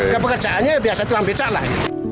kebekerjaannya biasa tuang becak lah